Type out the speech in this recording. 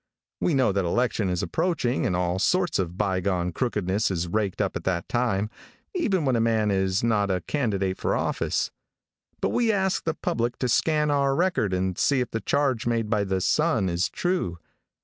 We know that election is approaching, and all sorts of bygone crookedness is raked up at that time, even when a man is not a candidate for office, but we ask the public to scan our record and see if the charge made by the Sun is true.